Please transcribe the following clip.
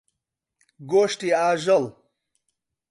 گۆشتی ئاژەڵ.